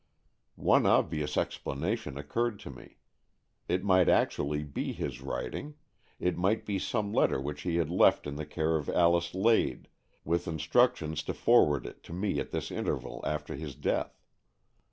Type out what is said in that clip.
One obvious explanation occurred to me. It might actually be his writing; it might be some letter which he had left in the care of Alice Lade with instructions to forward it to me at this interval after his death.